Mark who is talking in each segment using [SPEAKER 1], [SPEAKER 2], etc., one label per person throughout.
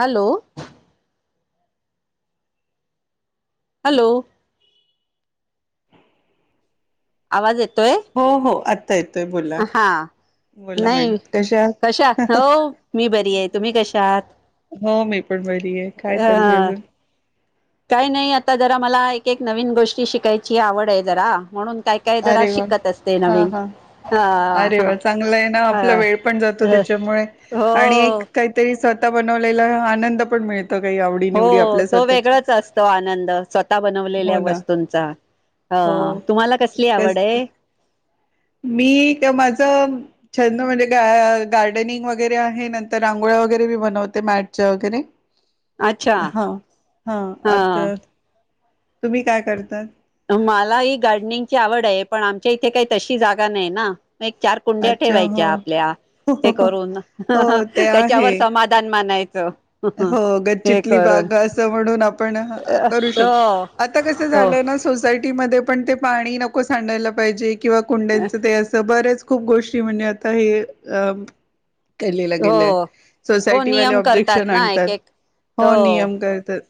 [SPEAKER 1] Hello. Hello. आवाज येत.
[SPEAKER 2] हो हो आ येतोय बोला.
[SPEAKER 1] हा
[SPEAKER 2] बोला मॅडम
[SPEAKER 1] नाही
[SPEAKER 2] कशा आहात.
[SPEAKER 1] हो मी बरी आहे तुम्ही कशा आहात
[SPEAKER 2] हो मी पण बरी आहे, काय चाललू आहे
[SPEAKER 1] अ
[SPEAKER 2] अजून?
[SPEAKER 1] काही नाही आता जरा मला एक एक नवीन गोष्टी शिकायची आवड आहे जरा म्हणून काय काय जरा
[SPEAKER 2] अरे वा!
[SPEAKER 1] शिकत असते
[SPEAKER 2] हा
[SPEAKER 1] नवीन
[SPEAKER 2] हा
[SPEAKER 1] हा
[SPEAKER 2] अरे वा! चांगलं आहे ना आपला
[SPEAKER 1] हा
[SPEAKER 2] वेळ पण जातो त्याच्यामुळे आणि एक
[SPEAKER 1] हो
[SPEAKER 2] काहीतरी स्वतः बनवलेला आनंद हा पण मिळत
[SPEAKER 1] हो तो वेगळाच असतो आनंद स्वतः
[SPEAKER 2] हो
[SPEAKER 1] बनवलेल्या
[SPEAKER 2] ना
[SPEAKER 1] वस्तूंचा. ह
[SPEAKER 2] हो
[SPEAKER 1] तुम्हाला कसली
[SPEAKER 2] कस
[SPEAKER 1] आवड आहे?
[SPEAKER 2] मी ते माझ छंद म्हणजे ग गार्डनिंग वगैरे आहे, नंतर रांगोळ्या वगैरे मी बनवते मॅटच्या वगैरे.
[SPEAKER 1] अच्छा
[SPEAKER 2] हां हां
[SPEAKER 1] हा
[SPEAKER 2] आत्यायेत. तुम्ही काय करतात?
[SPEAKER 1] मला ही गार्डनिंगची आवड आहे. पण आमच्या इथे काही तशी जागा नाही ना. चार कुंड्या
[SPEAKER 2] अच्छा हो
[SPEAKER 1] ठेवायच्या आपल्या. हे करून ह ह
[SPEAKER 2] हो ते
[SPEAKER 1] त्याच्यावर
[SPEAKER 2] आहे.
[SPEAKER 1] समाधान मानायच. [unintelligible]
[SPEAKER 2] हो गच्चतली बाग असं म्हणून आप पण करू शकतो.
[SPEAKER 1] हो
[SPEAKER 2] आता कस
[SPEAKER 1] हो
[SPEAKER 2] झाल ना सोसायटी मध्ये पण ते पाणी नको सांडायला पाहिजे. किंवा कुंड्यांचं ते असं बरंच खूप गोष्टी म्हणजे आता हे अ केलेला गेलाय
[SPEAKER 1] हो हो
[SPEAKER 2] सोसायटी वाले
[SPEAKER 1] नियम
[SPEAKER 2] ऑब्जेक्ट
[SPEAKER 1] करतात ना
[SPEAKER 2] नंतर
[SPEAKER 1] एक एक
[SPEAKER 2] हो नियम करतात.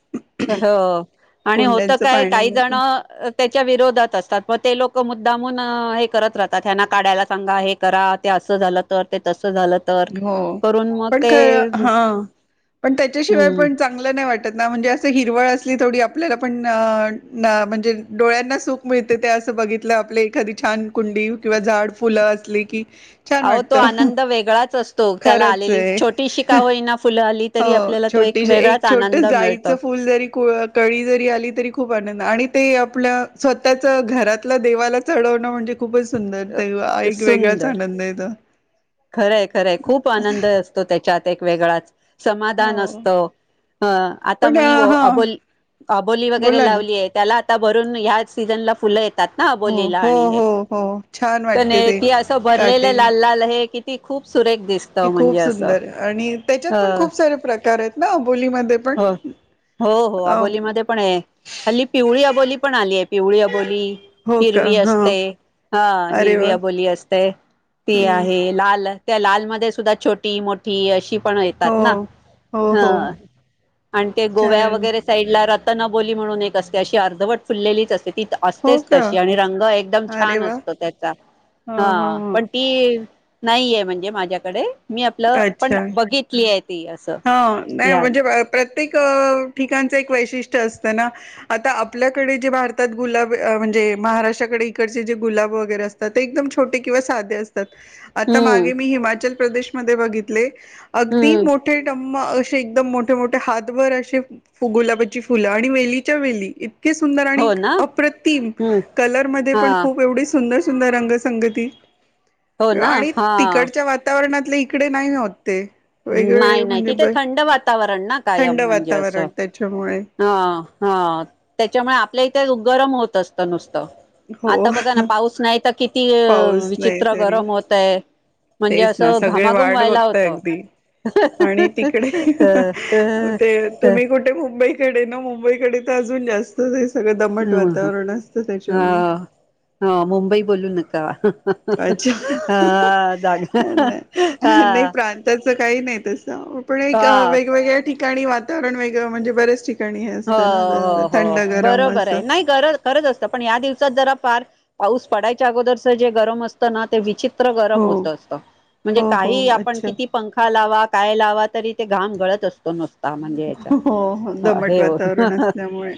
[SPEAKER 1] हो आणि होत
[SPEAKER 2] कुंड्यांचं
[SPEAKER 1] काय
[SPEAKER 2] पाणी
[SPEAKER 1] काही
[SPEAKER 2] नको
[SPEAKER 1] जण त्याच्या विरोधात असतात, मग ते लोक मु मुद्दामून हे करत राहतात, त्यांना काढायला सांगा, हे करा ते अस झाल तर, ते तस
[SPEAKER 2] हो पण खर हा पण त्याच्याशिवाय
[SPEAKER 1] हम्म
[SPEAKER 2] पण चांगलं नाही वाटत. ना म्हणजे असं हिरवळ असली थोडी आपल्याला पण म्हणजे डोळ्यांना सुख मिळते, ते असं बघितलं आपले एखादी छान कुंडी किंवा झाड फुलं असली. कि
[SPEAKER 1] आहों तो आनंद वेगळाच असतो. तो त्याला
[SPEAKER 2] खरंच
[SPEAKER 1] आलेली
[SPEAKER 2] आहे.
[SPEAKER 1] छोटी-शिका होई ना फु
[SPEAKER 2] हो छोटी एक छोट
[SPEAKER 1] मिळतो
[SPEAKER 2] जायचं फुल जरी कळी जरी आली. तरी खूप आनंद आणि ते आपल्या स्वतःच घरातलं देवाला चढवणं म्हणजे खूपच सुंदर ते एक वेगळाच
[SPEAKER 1] सुंदर
[SPEAKER 2] आनंद आहे तो.
[SPEAKER 1] खरंय खरंय खूप आनंद असतो त्याच्यात एक वेगळांच समाधान
[SPEAKER 2] हो
[SPEAKER 1] असत अ आता
[SPEAKER 2] पण
[SPEAKER 1] म
[SPEAKER 2] हां
[SPEAKER 1] अबोल अबोली वगैरे
[SPEAKER 2] बोला ना.
[SPEAKER 1] लावली आहे म त्याला आता भरून ह्या सीझन ला फुलं ये तात ना
[SPEAKER 2] हो
[SPEAKER 1] अबोलीला
[SPEAKER 2] हो
[SPEAKER 1] आणि हे
[SPEAKER 2] हो हो छान
[SPEAKER 1] तर
[SPEAKER 2] वाटते
[SPEAKER 1] नाही
[SPEAKER 2] ते
[SPEAKER 1] त असं
[SPEAKER 2] काटे
[SPEAKER 1] भरलेलं लाल लाल आहे. ते किती खूप सुरेख दिसत
[SPEAKER 2] की खूप
[SPEAKER 1] म्हणजे असं
[SPEAKER 2] सुंदर आणि त्याच्यात
[SPEAKER 1] अ
[SPEAKER 2] पण खूप सारे प्रकार आहेत. ना अबोलीमध्ये पण
[SPEAKER 1] हो हो हो
[SPEAKER 2] अ
[SPEAKER 1] आबोलीमध्ये पण आहे हल्ली पिवळी अबोली पण आली आहे पिवळी अबोली
[SPEAKER 2] हो का
[SPEAKER 1] हिरवी
[SPEAKER 2] हा
[SPEAKER 1] असते हा
[SPEAKER 2] अरे
[SPEAKER 1] हिरवी
[SPEAKER 2] वा
[SPEAKER 1] अबोली असते ती
[SPEAKER 2] हम्म
[SPEAKER 1] आहे लाल त्या लालमध्येध्ये सुद्धा छोटी मोठी अशी पण
[SPEAKER 2] हो
[SPEAKER 1] येतात ना
[SPEAKER 2] हो
[SPEAKER 1] ह
[SPEAKER 2] हो
[SPEAKER 1] आणि ते गोव्या
[SPEAKER 2] छान
[SPEAKER 1] वगैरे साईड ला रतन जबोली म्हणून एक असते अशी अर्धवट फुललेलीच असते ती
[SPEAKER 2] हो
[SPEAKER 1] असतेच
[SPEAKER 2] का
[SPEAKER 1] तशी आणि रंग एकदम
[SPEAKER 2] अरे
[SPEAKER 1] छान
[SPEAKER 2] वा
[SPEAKER 1] असतो, त्याचा हा पण ती नाहीये म्हणजे माझ्याकडे मी आपलं पण
[SPEAKER 2] अच्छा
[SPEAKER 1] बघितली आहे ती असं
[SPEAKER 2] हा नाही
[SPEAKER 1] या
[SPEAKER 2] म्हणजे प्रत्येक ठिकाणचं एक वैशिष्ट्य असतं ना आता आपल्याकडे जे भारतात गुलाब म्हणजे महाराष्ट्राकडे इकडचे जे गुलाब वगैरे असतात, ते एकदम छोटे किंवा साधे अस तात
[SPEAKER 1] हम्म
[SPEAKER 2] मागे मी हिमाचल प्रदेशमध्ये बघितले अगदी
[SPEAKER 1] हम्म
[SPEAKER 2] मोठ टंम असे एकदम मोठे मोठे हातभर असे गुलाबाची फुलं आणि वेलीच्या वेली ई इतके सुंदर आणि
[SPEAKER 1] हो ना
[SPEAKER 2] अप्रतिम
[SPEAKER 1] हम्म
[SPEAKER 2] कलर मध्ये
[SPEAKER 1] हा
[SPEAKER 2] पण खूप एवढी सुंदर सु सुंदर रंग संगती
[SPEAKER 1] हो ना
[SPEAKER 2] आणि
[SPEAKER 1] हा
[SPEAKER 2] तिकडच्या वातावरणात आपल्या इकडे नाही होत. ते वेगळे
[SPEAKER 1] नाही नाही
[SPEAKER 2] म्हणजे
[SPEAKER 1] तिथे
[SPEAKER 2] ब
[SPEAKER 1] थंड वातावरण ना
[SPEAKER 2] थंड
[SPEAKER 1] कायम म्हणजे असं
[SPEAKER 2] वातावरण त्याच्यामुळे
[SPEAKER 1] हा. हा त्याच्यामुळे आपल्या इथे गरम होत असतं नुसतं
[SPEAKER 2] हो
[SPEAKER 1] आता बघा ना पाऊस नाही तर किती
[SPEAKER 2] पाऊस नाही
[SPEAKER 1] विचित्र
[SPEAKER 2] तरी
[SPEAKER 1] गरम होतय. म्हणजे
[SPEAKER 2] तेच ना
[SPEAKER 1] असं
[SPEAKER 2] सगळे
[SPEAKER 1] घामाघूम
[SPEAKER 2] वाट
[SPEAKER 1] व्हायला
[SPEAKER 2] बघता
[SPEAKER 1] होतं
[SPEAKER 2] अगदी आणि तिकडे ते तुम्ही कुठे मुंबई मुंबईकडे तर अजून जास्त सगळं
[SPEAKER 1] ह
[SPEAKER 2] दमट
[SPEAKER 1] ह
[SPEAKER 2] वातावरण असतं
[SPEAKER 1] ह
[SPEAKER 2] त्याच्यामुळे
[SPEAKER 1] हा मुंबई बोलू नको [unintelligible] हा
[SPEAKER 2] अच्छा
[SPEAKER 1] जाग हा
[SPEAKER 2] नाही नाही प्रांताचं काही नाही तस पण एक
[SPEAKER 1] हा
[SPEAKER 2] वेगवेगळ्या ठिका आणिणी वा [unintelligible]
[SPEAKER 1] हो
[SPEAKER 2] ना
[SPEAKER 1] हो
[SPEAKER 2] थंड
[SPEAKER 1] हो
[SPEAKER 2] गरम
[SPEAKER 1] बरोबर
[SPEAKER 2] असं
[SPEAKER 1] आहे नाही खरच असतं पण या दिवसात जरा पार पाऊस पडायच्या अगोदरच जे गरम असतं ना ते विचित्र विचित्र
[SPEAKER 2] हो
[SPEAKER 1] गरम होत असत म्हणजे
[SPEAKER 2] हो हो
[SPEAKER 1] काहीही आपण
[SPEAKER 2] अच्छा
[SPEAKER 1] किती पंखा लावा. काय लावा तरी ते घाम गळत असतो नूसता म्हणजे याच्यात
[SPEAKER 2] हो दमट
[SPEAKER 1] हे हो
[SPEAKER 2] वातावरण असल्यामुळे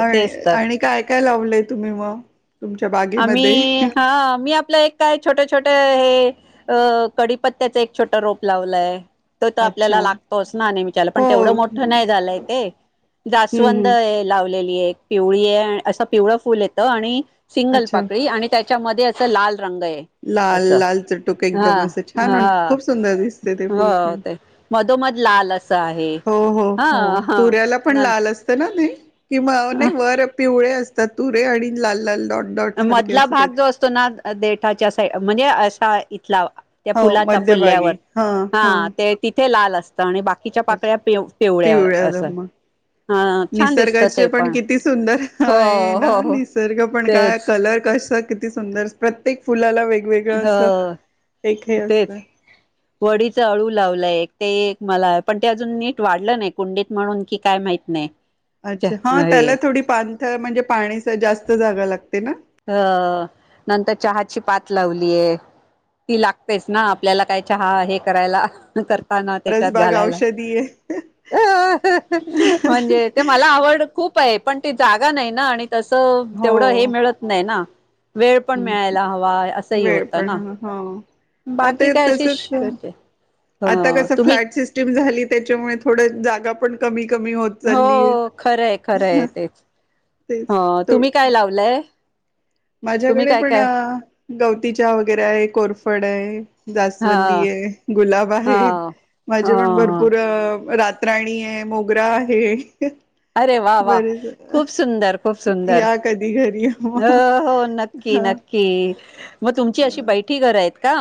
[SPEAKER 2] आणि
[SPEAKER 1] तेच तर
[SPEAKER 2] आणि काय काय लावलंय तुम्ही मग तुमच्या बागेमध्ये
[SPEAKER 1] आम्ही हा मी आपलं एक काय छोट्या छोट्या हे अ कडीपत्त्याच एक छोट रोप लावलाय. तो तर
[SPEAKER 2] अच्छा
[SPEAKER 1] आपल्याला लागतोच ना विचला पण
[SPEAKER 2] हो
[SPEAKER 1] तेवढं मोठं
[SPEAKER 2] हम्म
[SPEAKER 1] नाही झालंय ते जास्वंद
[SPEAKER 2] हम्म
[SPEAKER 1] लावले. पिवळी आहे असं पिवळा फुल येतं आणि सिंगल
[SPEAKER 2] अच्छा
[SPEAKER 1] पाकळी आणि त्या च्या मध्ये आस लाल रंग आहे
[SPEAKER 2] लाल
[SPEAKER 1] असं
[SPEAKER 2] लाल चूटूक
[SPEAKER 1] हा
[SPEAKER 2] एकदम असे छान
[SPEAKER 1] हा
[SPEAKER 2] खूप सुंदर दिसते ते
[SPEAKER 1] हो
[SPEAKER 2] फुल पण
[SPEAKER 1] ते मधोमध लाल असं आहे.
[SPEAKER 2] हो, हो,
[SPEAKER 1] हा
[SPEAKER 2] हो
[SPEAKER 1] हा
[SPEAKER 2] तुऱ्याला पण
[SPEAKER 1] न
[SPEAKER 2] लाल असत ना ते? [unintelligible] वर पिवळे तात तुरे आणि लाल लाल डॉट डॉट सारखे
[SPEAKER 1] मधला
[SPEAKER 2] असं काही
[SPEAKER 1] भाग जो असतो ना देठाच्या म्हणजे असा इथला त्या फुलाचा फुल्यावर हा ते ती ते लाल असत आणि बाकीच्या
[SPEAKER 2] अच्छा
[SPEAKER 1] पाकळ्या पिव पिवळ्या आसं हा छान दिसत ते पण हो
[SPEAKER 2] होय ना
[SPEAKER 1] हो हो
[SPEAKER 2] निसर्ग पण काय
[SPEAKER 1] तेच
[SPEAKER 2] कलर कल आस किती सुंदर प्रत्येक फुलाला वे वेगळं असं
[SPEAKER 1] हो
[SPEAKER 2] एक हे असत
[SPEAKER 1] वडीच अळू लावलंय, ते एक मला पण ते अजून नीट वाढलं नाही कुंडीत म्हणून की काय माहित नाही च
[SPEAKER 2] अच्छा हा
[SPEAKER 1] हे
[SPEAKER 2] त्याला थोडी पाण थळ म्हणजे पाणीच जास्त जागा लागते ना?
[SPEAKER 1] हो नंतर चहाची पात लावलेय ती लागतेच ना आपल्याला काय चहा हे करायला तर पान तेच्यात
[SPEAKER 2] परसबाग
[SPEAKER 1] घालायला
[SPEAKER 2] औषधी आहे.
[SPEAKER 1] म्हणजे ते मला आवड खूप [unintelligible] पण ते जागा नाही ना आणि तसं तेवढं
[SPEAKER 2] हो
[SPEAKER 1] हे मिळत ना वेळ पण
[SPEAKER 2] हम्म.
[SPEAKER 1] मिळायला हवा असंही होतं ना?
[SPEAKER 2] आता
[SPEAKER 1] बाकी
[SPEAKER 2] हे
[SPEAKER 1] काय अशी
[SPEAKER 2] तसच
[SPEAKER 1] ह
[SPEAKER 2] आता कसं
[SPEAKER 1] तुम्ही
[SPEAKER 2] फ्लॅट सिस्टम झाली त्याच्यामुळे थोडं जागा पण कमी कमी होत
[SPEAKER 1] हो
[SPEAKER 2] चाललीय
[SPEAKER 1] खरंय खरंय तेच
[SPEAKER 2] तेच
[SPEAKER 1] हो
[SPEAKER 2] थो-
[SPEAKER 1] तुम्ही काय लावलंय? तुम्ही
[SPEAKER 2] माझ्याकडे
[SPEAKER 1] काय
[SPEAKER 2] पण
[SPEAKER 1] काय
[SPEAKER 2] गवती चहा वगैरे आहे, कोरफड आहे. [unintelligible]
[SPEAKER 1] हा
[SPEAKER 2] जास्वंदी हे, गुलाब
[SPEAKER 1] हा
[SPEAKER 2] आहे
[SPEAKER 1] ह
[SPEAKER 2] माझे पण
[SPEAKER 1] ह
[SPEAKER 2] भरपूर रात तराणी आहे मोगरा आहे.
[SPEAKER 1] अरे वा वा,
[SPEAKER 2] बरेच
[SPEAKER 1] खूप सुंदर खूप सुंदर
[SPEAKER 2] या कधी घरी
[SPEAKER 1] अ
[SPEAKER 2] मग
[SPEAKER 1] हो नक्की नक्की म तुमची अशी
[SPEAKER 2] हा.
[SPEAKER 1] बैठी घर आहेत का?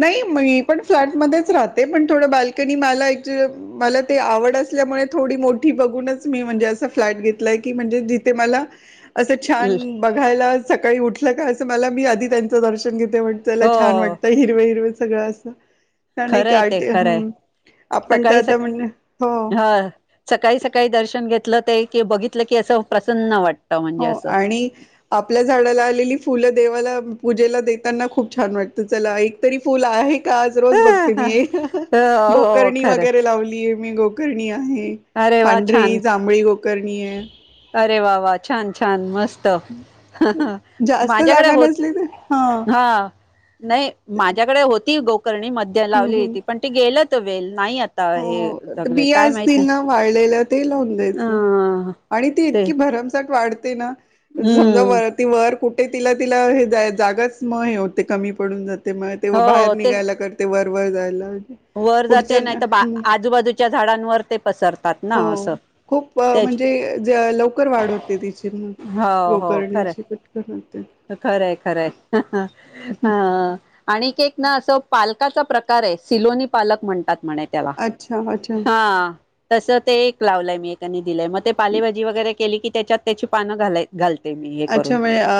[SPEAKER 2] नाही मी पण फ्लॅटमध्येच राहते, पण थोडं बाल्कनी मला-मला ते आवड असल्यामुळे थोडी मोठी बघूनच मी म्हणजे, अस फ्लॅट घेतलाय. की म्हणजे जिथे मला. असं
[SPEAKER 1] ल-
[SPEAKER 2] छान बघायला. सकाळी उठलं का. असं मला मी आधी त्यांचं दर्शन घेते. ते
[SPEAKER 1] हो
[SPEAKER 2] उठल्यावर छान वाटत. हिरवे-हिरवें सगळं असं. एक
[SPEAKER 1] खरंय ते
[SPEAKER 2] आर्ट
[SPEAKER 1] खरंय
[SPEAKER 2] हं आपण तर आता म्हणजे हो.
[SPEAKER 1] हा सकाळी-सकाळी दर्शन घेत ते बघितलं की असं प्रसन्न वाटतं.
[SPEAKER 2] हो
[SPEAKER 1] म्हणजे असं
[SPEAKER 2] आणि आपल्या झाडाला आलेली फुलं देवाला. पूजेला देताना खूप छान वाटत, चला एक तरी फुल आहे. आज रोज बघते मी,
[SPEAKER 1] हो हो
[SPEAKER 2] गोकर्णी
[SPEAKER 1] खरं
[SPEAKER 2] वगैरे लावलीय मी गो करणी आहे.
[SPEAKER 1] अरे वा
[SPEAKER 2] पांढरी,
[SPEAKER 1] छान
[SPEAKER 2] जांभळी करणी हे.
[SPEAKER 1] अरे वा वा! छान छान! मस्त.
[SPEAKER 2] जास्त
[SPEAKER 1] माझ्याकडे
[SPEAKER 2] जागा
[SPEAKER 1] होत
[SPEAKER 2] नसली तर, हा.
[SPEAKER 1] नाही माझ्याकडे होती. करणी मध्य
[SPEAKER 2] हम्म
[SPEAKER 1] लावली
[SPEAKER 2] हम्म.
[SPEAKER 1] होती पण ते गेलं. तो वेल नाही आता हे
[SPEAKER 2] हो,
[SPEAKER 1] जगले
[SPEAKER 2] बिया
[SPEAKER 1] काय माहित
[SPEAKER 2] असतील
[SPEAKER 1] नाही
[SPEAKER 2] ना वाळलेला ते लावून द्यायचं.
[SPEAKER 1] अ
[SPEAKER 2] आणि
[SPEAKER 1] ते
[SPEAKER 2] की भरमसाठ वाढते ना. झमजा
[SPEAKER 1] हम्म
[SPEAKER 2] वरती वर कु तिला तिला हे जय जागाच म हे होते कमी पडून जाते. तेव्हा तेव्हा बाहेर
[SPEAKER 1] हो ते
[SPEAKER 2] निघायला करते वर. वर जायला.
[SPEAKER 1] वर जाते नाही
[SPEAKER 2] पुढच्याना
[SPEAKER 1] तर बाहेर आजूबाजूच्या झाडांवर ते पसर
[SPEAKER 2] हो खूप म्हणजे लवकर वाढ होते तिची म
[SPEAKER 1] हो हो खरंय
[SPEAKER 2] गोकरर्ण्याची पटकरन.
[SPEAKER 1] खरंय खरंय ह आणि ना सो पा. पालकाचा प्रकार आहे सिलोनी पालक म्हणतात. म्हणे त्याला,
[SPEAKER 2] अच्छा अच्छा
[SPEAKER 1] हा. तसं ते एक लावलंय मी एकानी दिलंय म ते पालेभाजी वगैरे केली की त्याच्यात त्याची पानं घा घाल
[SPEAKER 2] अच्छा मे अ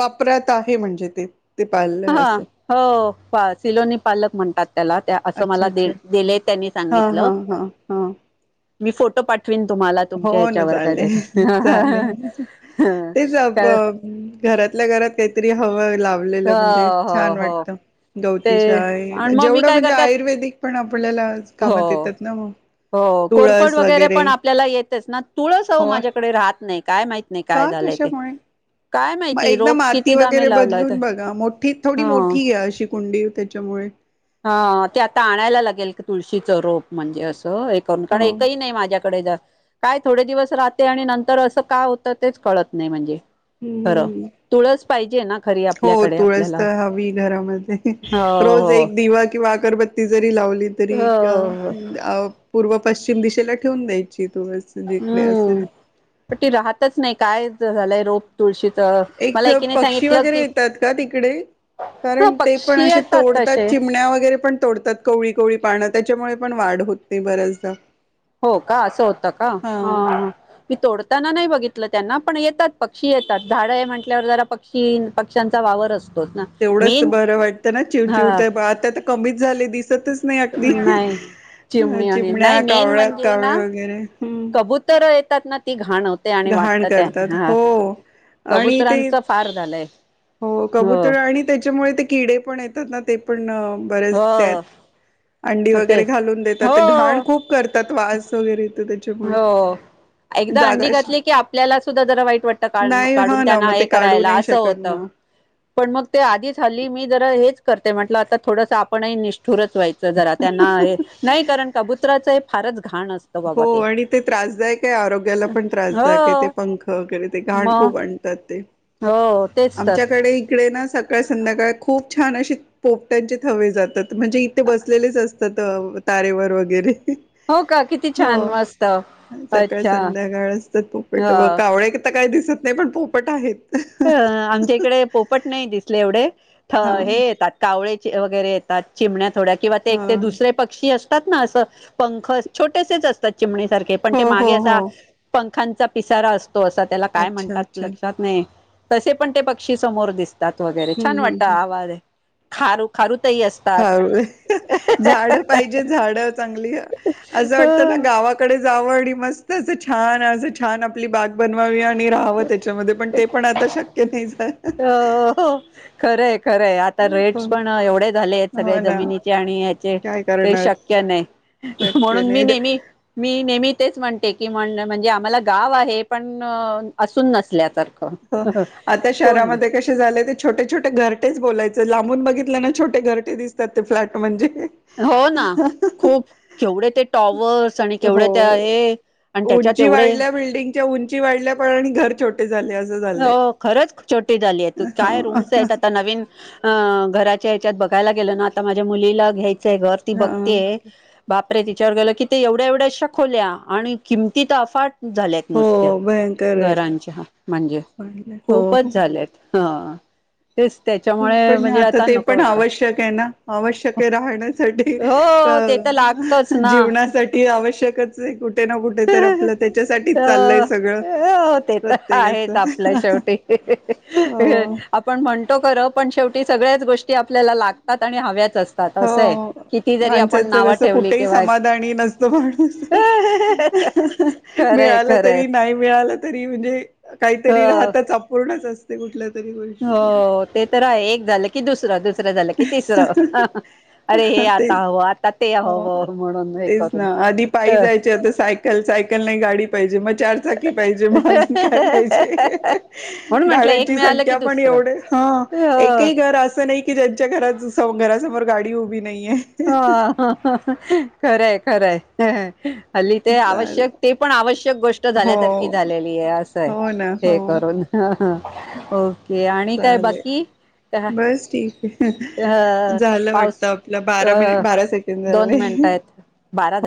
[SPEAKER 2] वापरत आहे म्हणजे ते. ते पाहिलं
[SPEAKER 1] हा
[SPEAKER 2] असं
[SPEAKER 1] हो. सिलोनी पालक म्हणतात. त्याला त्या असं
[SPEAKER 2] अच्छा
[SPEAKER 1] मला दि
[SPEAKER 2] अच्छा
[SPEAKER 1] दिले त्यांनी
[SPEAKER 2] हा हा
[SPEAKER 1] सांगितलं.
[SPEAKER 2] हा हा
[SPEAKER 1] मी फोटो पाठ विन तुम्हाला तुमच्या
[SPEAKER 2] हो ना
[SPEAKER 1] हच्यावर कधी
[SPEAKER 2] चालेल
[SPEAKER 1] ह
[SPEAKER 2] चालेल
[SPEAKER 1] हं.
[SPEAKER 2] तेच आप घरातल्या घरात काहीतरी हव.
[SPEAKER 1] हो
[SPEAKER 2] लावलेलं म्हणजे
[SPEAKER 1] हो
[SPEAKER 2] छान
[SPEAKER 1] हो
[SPEAKER 2] वाटत
[SPEAKER 1] ते
[SPEAKER 2] गवतीचाय,
[SPEAKER 1] आणि मग मी
[SPEAKER 2] जेवढं
[SPEAKER 1] काय
[SPEAKER 2] म्हणजे
[SPEAKER 1] करते
[SPEAKER 2] आयुर्वेदिक पण आपल्याला कामात
[SPEAKER 1] हो.
[SPEAKER 2] येतात, ना मग
[SPEAKER 1] हो कोरफड
[SPEAKER 2] तुळस वगैरे.
[SPEAKER 1] पण आपल्याला येतेच तुळस
[SPEAKER 2] हो
[SPEAKER 1] माझ्याकडे राहत नाही का काय माहित. नाही काय
[SPEAKER 2] का
[SPEAKER 1] झालंय ते.
[SPEAKER 2] कशामुळे
[SPEAKER 1] काय
[SPEAKER 2] मग
[SPEAKER 1] माहिती
[SPEAKER 2] एकदा
[SPEAKER 1] रोप
[SPEAKER 2] माती
[SPEAKER 1] कितीदा मी
[SPEAKER 2] वगैरे
[SPEAKER 1] लावल्यात.
[SPEAKER 2] बदलून मोठी थोडी मोठी आहे अशी कुंडी. त्याच्यामुळे.
[SPEAKER 1] हा ते आता आणायला लागेल की तुळशीच रोप म्हणजे असं. होय कारण
[SPEAKER 2] हो.
[SPEAKER 1] एकही नाही माझ्याकडे. काय थोडे दिवस राहते, आणि नंतर असं का होत तेच कळत नाही म्हणजे. खरं.
[SPEAKER 2] हम्मम्.
[SPEAKER 1] तुळस पाहिजे ना खरी
[SPEAKER 2] हो
[SPEAKER 1] आपल्याकडे
[SPEAKER 2] तुळस
[SPEAKER 1] आपल्याला
[SPEAKER 2] तर हवी घरामध्ये
[SPEAKER 1] हो
[SPEAKER 2] रोज
[SPEAKER 1] हो.
[SPEAKER 2] एक दिवा किंवा अरबत्ती जरी लावली. तरी
[SPEAKER 1] हो
[SPEAKER 2] पूर्व पशचिम. पश्चिम दिशेला ठेवून द्याची.
[SPEAKER 1] हम्म पण ती राहतच नाही काय. झालेय रोप तुळशी
[SPEAKER 2] एक पक्षी वगैरे येतात का तिकडे,
[SPEAKER 1] हा
[SPEAKER 2] कारण ते
[SPEAKER 1] पक्षी
[SPEAKER 2] पण असे
[SPEAKER 1] येतात
[SPEAKER 2] तोडतात,
[SPEAKER 1] तसे
[SPEAKER 2] चिमण्या वगैरे पण तोडतात, कवळी-कवळी पान. त्याच्यामुळे पण वाढ होत नाही बऱ्याचदा.
[SPEAKER 1] हो का? असं होतं का? हा. मी तोडताना नाही बघित तल त्यांना, पण येतात, पक्षी येतात, झाडं आहे म्हटल्यावर जरा पक्षी पक्ष्यांचा वावर असतो.
[SPEAKER 2] तेवढंच बरं वाटतं ना चिव
[SPEAKER 1] हा
[SPEAKER 2] चिव ते आता तर कमीच झाले दिस दिसतच नाही अगदी
[SPEAKER 1] नाही चिमणी आणि नाही
[SPEAKER 2] चिमण्या,
[SPEAKER 1] मेन
[SPEAKER 2] कावळ्यात
[SPEAKER 1] म्हणजे
[SPEAKER 2] कावळे वगैरे हम्म
[SPEAKER 1] असतात न ती घ घान होतय आणि
[SPEAKER 2] घाण
[SPEAKER 1] वाटत
[SPEAKER 2] करतात
[SPEAKER 1] पण
[SPEAKER 2] हो आणि ते
[SPEAKER 1] कबुतरांचं फार झालंय.
[SPEAKER 2] हो कबुतर आणि त्य- त्याच्यामुळे ते किडे पण येतात ना ते पण- बरेच त्यात
[SPEAKER 1] हो
[SPEAKER 2] अंडी
[SPEAKER 1] ते
[SPEAKER 2] वगैरे घालून
[SPEAKER 1] हो
[SPEAKER 2] देतात घाण खूप करतात, वास वगैरेे येतो. त्याच्यामुळे
[SPEAKER 1] हो एकदा
[SPEAKER 2] जागा
[SPEAKER 1] अंडी
[SPEAKER 2] अशी
[SPEAKER 1] घातली की आपल्याला सुद्धा जरा वाईट वाटतं
[SPEAKER 2] नाही
[SPEAKER 1] काढून
[SPEAKER 2] हा ना
[SPEAKER 1] त्यांना
[SPEAKER 2] मग
[SPEAKER 1] हे
[SPEAKER 2] ते काढू
[SPEAKER 1] करायला
[SPEAKER 2] नाही
[SPEAKER 1] असं
[SPEAKER 2] शकत
[SPEAKER 1] होतं.
[SPEAKER 2] मग
[SPEAKER 1] पण मग ते आधीच हली मी जरा हेच करते म्हटलं आता थोडस आपणही नीष्ट दूरच रच व्हायचं जरा त्यांना हे नाही कारण कबुतराच हे- अरे धूत घाण असत
[SPEAKER 2] हो
[SPEAKER 1] बबा ते,
[SPEAKER 2] आणि ते त्रासदायक आरोग्याला पण त्रासदायक आहे ते
[SPEAKER 1] हो
[SPEAKER 2] पंख वगैरे ते घाण
[SPEAKER 1] मग
[SPEAKER 2] खूप आणतात ते
[SPEAKER 1] हो तेच तर
[SPEAKER 2] आमच्याकडे हिकडे ना सकाळ संध्याकाळ खूप छान असे पोपट्यांचे थवे जातात. म्हणजे इथे बसलेलेच अस तात तारेवर वगैरे
[SPEAKER 1] हो का किती छान
[SPEAKER 2] हो
[SPEAKER 1] मस्त
[SPEAKER 2] सकाळ
[SPEAKER 1] अच्छा
[SPEAKER 2] संध्याकाळ असतात पोपेट
[SPEAKER 1] हा
[SPEAKER 2] व कावळे त काय दिसत नाही पण पोपट आहेत.
[SPEAKER 1] अ आमच्या इकडे पोपट नाही दिसले एवढे
[SPEAKER 2] हा
[SPEAKER 1] हेे येतात कावळे वगैरे येतात चिमण्या थोड्या किंवा ते
[SPEAKER 2] हा
[SPEAKER 1] एक ते दुसरे पक्षी अस तात ना असं पंख छोटेसेच असतात. चिमणीसारखे पण
[SPEAKER 2] हो
[SPEAKER 1] ते
[SPEAKER 2] हो
[SPEAKER 1] मागे
[SPEAKER 2] हो
[SPEAKER 1] असं पं खांचा पिसारा अस तो असं त्याला काय
[SPEAKER 2] अच्छा
[SPEAKER 1] म्हणतात
[SPEAKER 2] अच्छा
[SPEAKER 1] लक्षात नाही. तसे पण ते पक्षी समोर दिस तात वगैरे
[SPEAKER 2] हम्म
[SPEAKER 1] छान वाटतं आवाज. खारू खारू
[SPEAKER 2] खारू झाड पाहिजे झाड. चागंली हं, असं वाटत ना गावाकडे जावं आणि मस्त असं, छान असं, छान आपली बनवावी आणि राहावं त्याच्यामध्ये, पण ते पण आता शक्य नाही झा
[SPEAKER 1] हो अं हो खरं हाय. खरंय आता
[SPEAKER 2] हो
[SPEAKER 1] रेट्स पण एवढे झालेत, सगळे
[SPEAKER 2] हो ना
[SPEAKER 1] जमिनीचे आणि ह्याचे
[SPEAKER 2] काय
[SPEAKER 1] ते
[SPEAKER 2] करणार
[SPEAKER 1] शक्य नाही,
[SPEAKER 2] शक्य
[SPEAKER 1] म्हणून मी
[SPEAKER 2] नाही
[SPEAKER 1] नेहमी मी नेहमी तेच म्हणते, की म्हण म्हणजे आम्हाला गाव आहे, पण अं असून नसल्या सारखं
[SPEAKER 2] हो आता शहरामध्ये कसे झाले ते छोटे छोटे घरटे बोलायचे, लांबून बघितलं ना छोटे घरटे दिसतात, ते फ्लॅट म्हणजे.
[SPEAKER 1] हो ना खूप केवढे ते टॉवर्स आणि केवढया त्या
[SPEAKER 2] हो
[SPEAKER 1] हे आणि त्याच्यात
[SPEAKER 2] उंची
[SPEAKER 1] एवढे
[SPEAKER 2] वाढल्या बिल्डिंगच्या उंची वाढल्या पण आणि घर छोटे झाले असं झालंय
[SPEAKER 1] हो खरंच छोटी झाली हाय, तू काय
[SPEAKER 2] हो
[SPEAKER 1] रूम्स हायत आता नवीन अं घरात त्याच्यात बघायला गेल ना, आता माझ्या मुलीला घ्याय ते घर ती बघ
[SPEAKER 2] हा.
[SPEAKER 1] तीयं बापरे ति विचार केलं की ते एवढ्या एवढ्याशा खोल्या आणि किमती तर अफाट झाल्याक नुसत्या
[SPEAKER 2] हो, भयंकर आहे
[SPEAKER 1] घरांच्या हा यं
[SPEAKER 2] हो हो
[SPEAKER 1] खूपच झाल्यात. हं अं.
[SPEAKER 2] पण आता ते पण
[SPEAKER 1] वाटत
[SPEAKER 2] आवश्यक हाय ना आवश्यक हाय राहण्यासाठी
[SPEAKER 1] हो ते तर लागतच
[SPEAKER 2] अं
[SPEAKER 1] ना
[SPEAKER 2] जीवनासाठी आवश्यकच आहे, कुठे ना कुठे तर आपलं
[SPEAKER 1] अ
[SPEAKER 2] त्याच्यासाठीच चाललंय सगळं
[SPEAKER 1] हो ते तर
[SPEAKER 2] प्रत्येक
[SPEAKER 1] आहेच आपल्या शेवटी
[SPEAKER 2] हो
[SPEAKER 1] आपण म्हणतो खर पण शेवटी सगळ्याच गोष्टी आपल्याला लागतात आणि हव्यात.
[SPEAKER 2] हो माणसाचं
[SPEAKER 1] नावं
[SPEAKER 2] असं
[SPEAKER 1] ठेवली
[SPEAKER 2] कुठेही
[SPEAKER 1] किंवा
[SPEAKER 2] समाधानी नसतो, माणूस
[SPEAKER 1] खरंय
[SPEAKER 2] मिळाला
[SPEAKER 1] खरंय
[SPEAKER 2] तरी नाही मिळाला तरी म्हणजे
[SPEAKER 1] ह
[SPEAKER 2] काहीतरी राहतचं अपूर्ण [unintelligible] कुठल्या तरी
[SPEAKER 1] हो
[SPEAKER 2] गोष्टी
[SPEAKER 1] ते तर आहे एक झालं कि दुसर दुस अरे हे आता
[SPEAKER 2] तेच
[SPEAKER 1] हवं आता ते
[SPEAKER 2] हो
[SPEAKER 1] हवं म्हणून हे
[SPEAKER 2] तेच
[SPEAKER 1] करून
[SPEAKER 2] ना आधी पायी
[SPEAKER 1] अ
[SPEAKER 2] जायचे, आता सायकल सायकल नाही, गाडी पाहिजे म चार चाकी पाजे मं अजून काय पाहिजे,
[SPEAKER 1] म्हणून म्हंटलं एक
[SPEAKER 2] गाड्यांची
[SPEAKER 1] मिळालं की
[SPEAKER 2] संख्या पण
[SPEAKER 1] दुसरं
[SPEAKER 2] एवढ ह
[SPEAKER 1] हो
[SPEAKER 2] एकही घर असं नाही की त्यांच्या घरास घरासमोर गाडी उभी नाहीये
[SPEAKER 1] ह खरेय खरंय हल्ली ते
[SPEAKER 2] चालेल
[SPEAKER 1] आवश्यक ते पण आवश्यक गोष्ट
[SPEAKER 2] हो
[SPEAKER 1] झाल्यासारखी झालेली आहे असं आहे
[SPEAKER 2] हो ना
[SPEAKER 1] हे करून हां हो
[SPEAKER 2] चाले बस ठीक आहे झालं वाटत
[SPEAKER 1] पाऊस
[SPEAKER 2] आपलं बा
[SPEAKER 1] दोन मिनट आहेत बारा